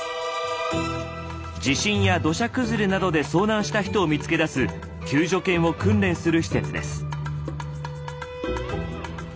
地震や土砂崩れなどで遭難した人を見つけ出す救助犬を訓練する施設です。